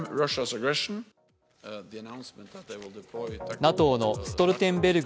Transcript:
ＮＡＴＯのストルテンベルグ